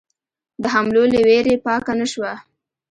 د حملو له وېرې پاکه نه شوه.